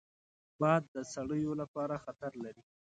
باد د څړیو لپاره خطر لري